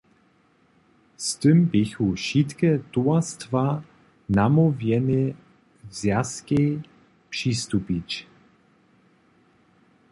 Z tym běchu wšitke towarstwa namołwjene zwjazkej přistupić.